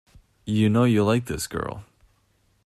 You know you like this girl.